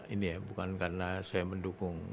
ini ya bukan karena saya mendukung